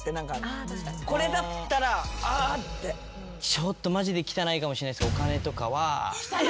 ちょっとマジで汚いかもしんないですけど。